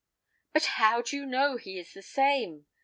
"But how do you know he is the same?"